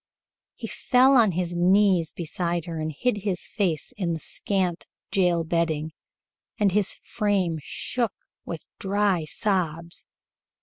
He fell on his knees beside her and hid his face in the scant jail bedding, and his frame shook with dry sobs.